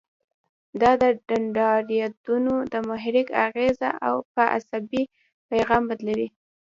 دا دندرایدونه د محرک اغیزه په عصبي پیغام بدلوي.